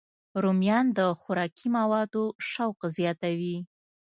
رومیان د خوراکي موادو شوق زیاتوي